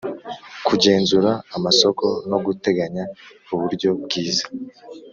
kugenzura amasoko no guteganya uburyo bwiza